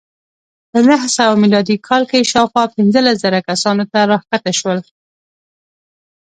په نهه سوه میلادي کال کې شاوخوا پنځلس زره کسانو ته راښکته شول